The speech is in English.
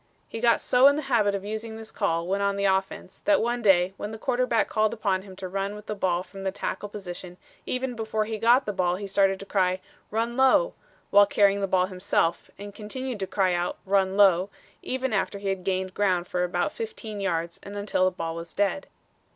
He got so in the habit of using this call when on the offense that one day when the quarterback called upon him to run with the ball from the tackle position even before he got the ball he started to cry, 'Run low,' while carrying the ball himself, and continued to cry out, 'Run low,' even after he had gained ground for about fifteen yards and until the ball was dead.